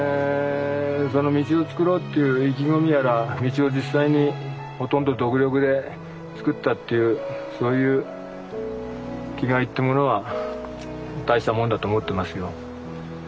その道を作ろうっていう意気込みやら道を実際にほとんど独力で作ったっていうそういう気概ってものは大したもんだと思ってますよ。